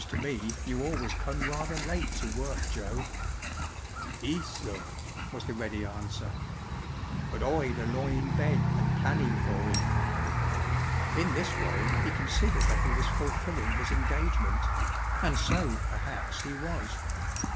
to me you always come rather late to work, Joe." " Ees, zur,'* was the ready answer, " but oi d' loi in bed and plannee vor ee." In this way he considered that he was fulfilling his engagement ; and so, perhaps, he was.